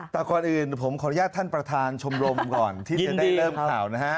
แต่ก่อนอื่นผมขออนุญาตท่านประธานชมรมก่อนที่จะได้เริ่มข่าวนะฮะ